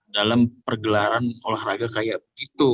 dalam pergelaran olahraga kayak gitu